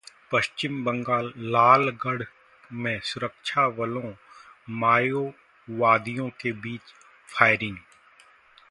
प. बंगाल: लालगढ़ में सुरक्षाबलों-माओवादियों के बीच फायरिंग